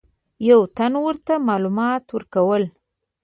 یو تن ورته معلومات ورکول.